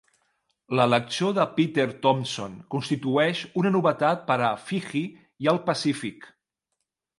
L'elecció de Peter Thomson constitueix una novetat per a Fiji i el Pacífic.